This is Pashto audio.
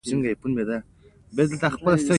هغوی هغه خلک دي چې هېڅ فکر نه کوي.